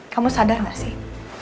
kamu sadar gak sih